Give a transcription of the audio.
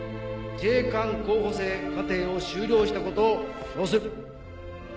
自衛官候補生課程を修了したことを証する。